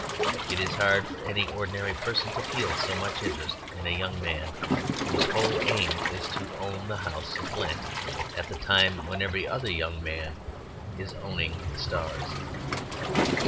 It is hard for any ordinary person to feel so much interest in a young man whose whole aim is to own the house of Blent at the time when every other young man is owning the stars.